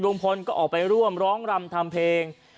ลุงพลก็ออกไปร่วมร้องรำทำเพลง